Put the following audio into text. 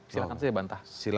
silahkan saja bantah